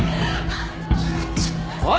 おい！